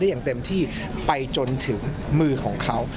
อย่างเต็มที่ไปจนถึงมือของเขา